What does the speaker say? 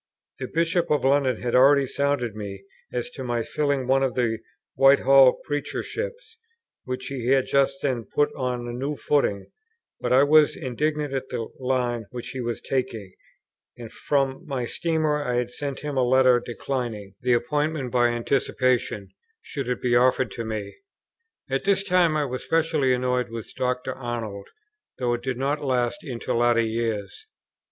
The Bishop of London had already sounded me as to my filling one of the Whitehall preacherships, which he had just then put on a new footing; but I was indignant at the line which he was taking, and from my Steamer I had sent home a letter declining the appointment by anticipation, should it be offered to me. At this time I was specially annoyed with Dr. Arnold, though it did not last into later years.